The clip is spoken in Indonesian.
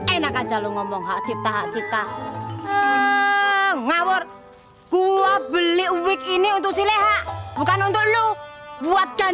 enak aja lu ngomong hati apa apa jika enak ngabur gua beli week ini untuk si leha bukan untuk lu buat ganjin